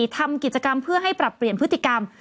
ทำกิจกรรมเพื่อให้ปรับเปลี่ยนพฤติกรรม